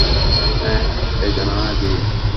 হ্যাঁ, এই জানালা দিয়েই।